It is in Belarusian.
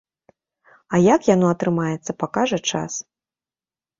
А як яно атрымаецца, пакажа час.